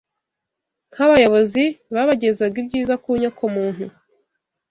nk’abayobozi b’abagezaga ibyiza ku nyokomuntu;